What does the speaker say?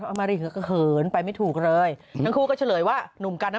อามารีก็เหินไปไม่ถูกเลยทั้งคู่ก็เฉลยว่าหนุ่มกันน่ะ